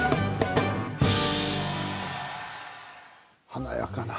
華やかな。